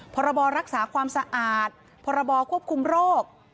ผับระบอรักษาความสะอาดผับระบอรับควบคุมโรค